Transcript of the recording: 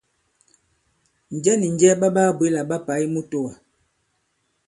Njɛ nì njɛ ɓa ɓaa-bwě là ɓa pà i mutōwà?